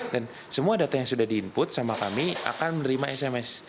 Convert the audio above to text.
dan semua data yang sudah kita pilih kita akan menghubungi langsung melalui sms konfirmasi dari teman ahok